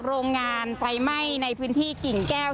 โรงงานไฟไหม้ในพื้นที่กิ่งแก้ว